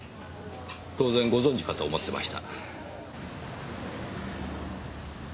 当然ご存じかと思ってました。